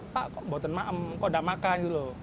pak kok tidak makan